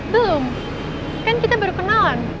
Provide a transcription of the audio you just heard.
belum kan kita baru kenalan